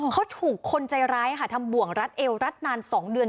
เขาถูกคนใจร้ายค่ะทำบ่วงรัดเอวรัดนาน๒เดือน